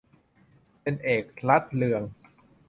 เป็นเอก รัตนเรือง